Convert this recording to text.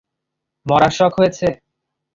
মরার শখ হয়েছে?